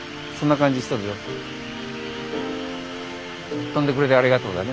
飛んでくれてありがとうだね。